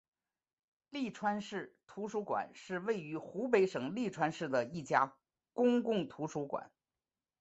利川市图书馆是位于湖北省利川市的一家公共图书馆。